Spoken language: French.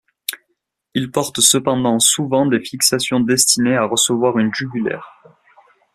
Il porte cependant souvent des fixations destinées à recevoir une jugulaire.